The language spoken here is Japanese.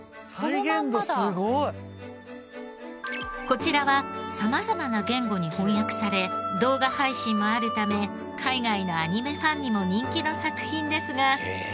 こちらは様々な言語に翻訳され動画配信もあるため海外のアニメファンにも人気の作品ですが。